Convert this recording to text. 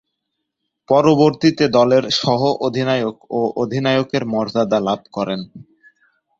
পরবর্তীতে দলের সহঃ অধিনায়ক ও অধিনায়কের মর্যাদা লাভ করেন।